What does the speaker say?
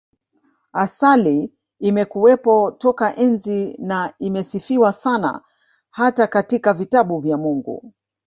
Asali imekuwepo toka enzi na imesifiwa sana hata katika vitabu vya Mungu